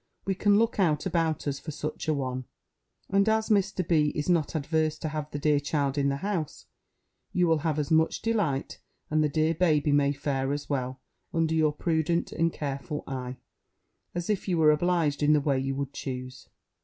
We can look out, about us, for such an one. And, as Mr. B. is not adverse to have the dear child in the house, you will have as much delight, and the dear baby may fare as well, under your prudent and careful eye, as if you were obliged in the way you would choose.